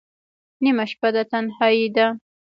نیمه شپه ده تنهایی ده